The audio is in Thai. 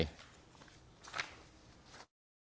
เพราะไม่เคยถามลูกสาวนะว่าไปทำธุรกิจแบบไหนอะไรยังไง